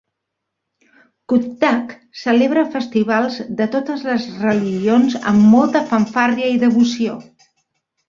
Cuttack celebra festivals de totes les religions amb molta fanfàrria i devoció.